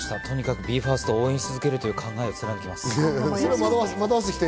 まずはＢＥ：ＦＩＲＳＴを応援し続けるという考えを貫きます。